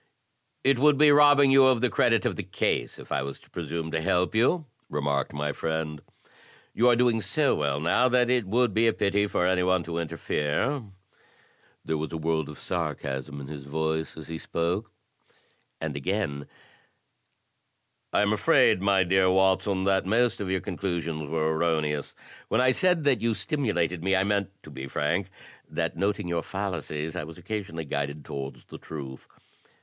"It would be robbing you of the credit of the case if I was to presume to help you," remarked my friend. "You are doing so well now that it would be a pity for any one to interfere." There was a world of sarcasm in his voice, as he spoke. And again: " I am afraid, my dear Watson, that most of your conclusions were erroneous. When I said that you stimulated me I meant, to be frank, that in noting your fallacies I was occasionally guided towards the truth.